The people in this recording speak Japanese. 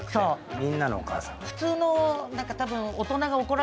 みんなのお母さん。